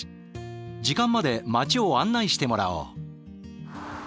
時間まで街を案内してもらおう。